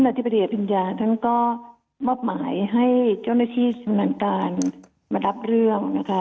อธิบดีอริญญาท่านก็มอบหมายให้เจ้าหน้าที่ชำนาญการมารับเรื่องนะคะ